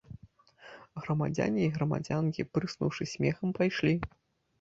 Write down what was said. Грамадзяне й грамадзянкі, пырснуўшы смехам, пайшлі.